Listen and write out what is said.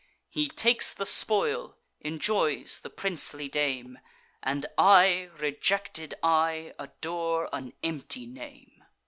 He takes the spoil, enjoys the princely dame; And I, rejected I, adore an empty name."